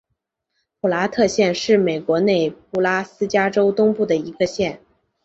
普拉特县是美国内布拉斯加州东部的一个县。